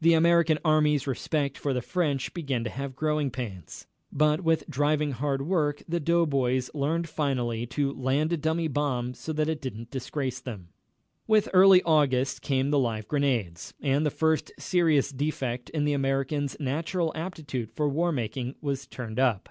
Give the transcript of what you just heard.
The American Army's respect for the French began to have growing pains. But what with driving hard work, the doughboys learned finally to land a dummy bomb so that it didn't disgrace them. With early August came the live grenades, and the first serious defect in the American's natural aptitude for war making was turned up.